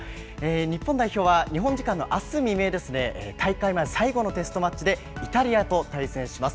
日本代表は、日本時間のあす未明ですね、大会前最後のテストマッチで、イタリアと対戦します。